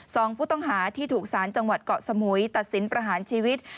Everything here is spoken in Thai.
สองผู้ต้องหาที่ถูกสารจังหวัดเกาะสมุยตัดสินประหารชีวิต